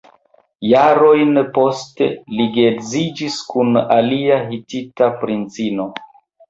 Jarojn poste li geedziĝis kun alia hitita princino.